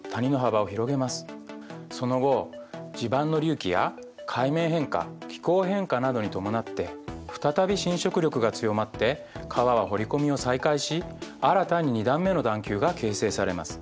その後地盤の隆起や海面変化気候変化などに伴って再び侵食力が強まって川は掘り込みを再開し新たに２段目の段丘が形成されます。